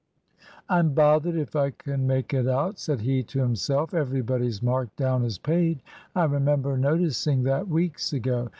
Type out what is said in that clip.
"I'm bothered if I can make it out," said he to himself. "Everybody's marked down as paid I remember noticing that weeks ago.